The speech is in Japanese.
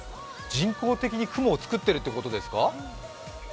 人工的に雲を作っているということですか？